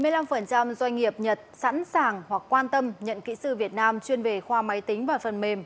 ba mươi năm doanh nghiệp nhật sẵn sàng hoặc quan tâm nhận kỹ sư việt nam chuyên về khoa máy tính và phần mềm